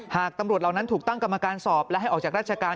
หากตำรวจเหล่านั้นถูกตั้งกรรมการสอบและให้ออกจากราชการ